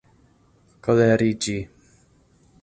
koleriĝi